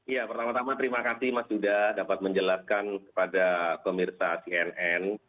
ya pertama tama terima kasih mas yuda dapat menjelaskan kepada pemirsa cnn